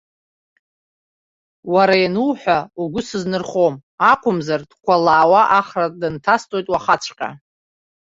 Уара иануҳәа угәы сызнырхом акәымзар, дкәалаауа ахра дынҭасҵоит уахаҵәҟьа!